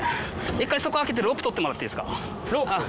１回そこ開けてロープ取ってもらっていいですか。